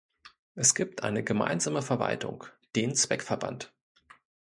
Es gibt eine gemeinsame Verwaltung, den Zweckverband.